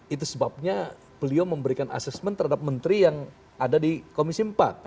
itu sebabnya beliau memberikan assessment terhadap menteri yang ada di komisi empat